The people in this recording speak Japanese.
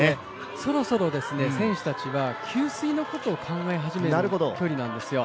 そろそろ選手たちが給水のことを考え始める距離なんですよ。